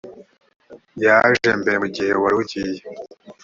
yaje mbere mu gihe warugiye